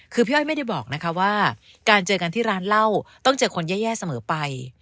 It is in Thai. คือพี่อ้อยไม่ได้บอกนะคะว่าการเจอกันที่ร้านเหล้าต้องเจอคนแย่เสมอไป